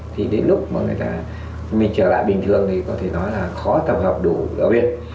thì đến lúc mà người ta trở lại bình thường thì có thể nói là khó tập hợp đủ ở bên